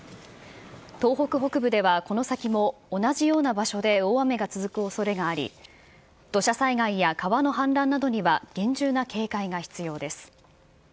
東北北部ではこの先も同じような場所で大雨が続くおそれがあり、土砂災害や川の氾濫などには厳重な警戒が必要です。